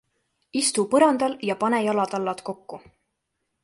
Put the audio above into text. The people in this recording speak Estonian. Istu põrandal ja pane jalatallad kokku.